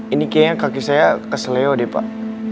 ini kayaknya kaki saya kesel leo deh pak